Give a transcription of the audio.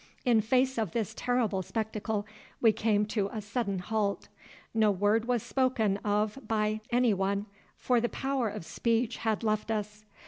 In face of this terrible spectacle we came to a sudden halt. No word was spoken by any one, for the power of speech had left us.